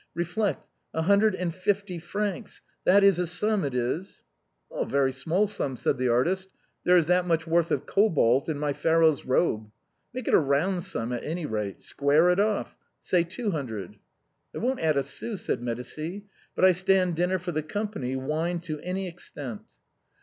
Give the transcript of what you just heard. Eeflect: a hundred and fifty francs : that is a sum, it is !"" A very small sum," said the artist ;" there is that much worth of cobalt in my Pharoah's robe. Make it a round sum, at any rate ! Square it off ; say two hundred !"" I won't add a sou !" said Medicis ;" but I stand din ner for the company; wine to any extent."